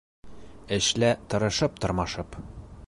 Эшлә тырышып-тырмашып